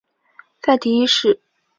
塞提一世。